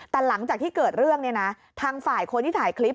แต่หลังจากที่เกิดเรื่องเนี่ยนะทางฝ่ายคนที่ถ่ายคลิป